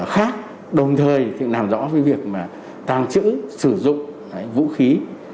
khác đồng thời làm rõ việc tàng trữ sử dụng vũ khí